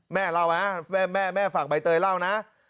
แม่เล่านะแม่ฝากใบเตยเล่านะ